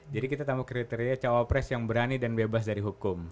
jadi kita tambah kriteria cowok pres yang berani dan bebas dari hukum